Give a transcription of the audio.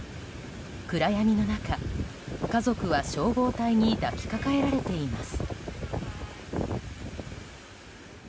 暗闇の中、家族は消防隊に抱きかかえられています。